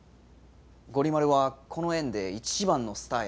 ゴリ丸はこの園で一番のスターや。